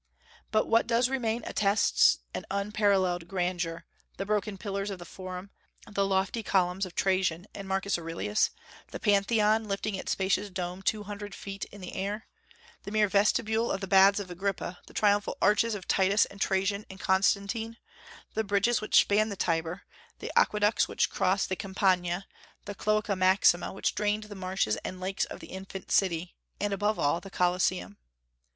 But what does remain attests an unparalleled grandeur, the broken pillars of the Forum; the lofty columns of Trajan and Marcus Aurelius; the Pantheon, lifting its spacious dome two hundred feet into the air; the mere vestibule of the Baths of Agrippa; the triumphal arches of Titus and Trajan and Constantine; the bridges which span the Tiber; the aqueducts which cross the Campagna; the Cloaca Maxima, which drained the marshes and lakes of the infant city; and, above all, the Colosseum.